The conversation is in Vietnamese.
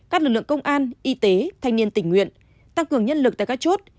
các lực lượng công an y tế thanh niên tình nguyện tăng cường nhân lực tại các chốt